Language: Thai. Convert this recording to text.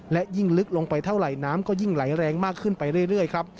และยิ่งลึกลงไปเท่าไหร่น้ำก็ยิ่งไหลแรงมากขึ้นไปเรื่อยครับ